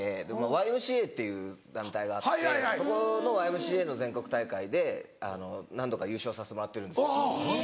ＹＭＣＡっていう団体があってそこのＹＭＣＡの全国大会で何度か優勝させてもらってるんです。